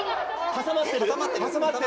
挟まってる。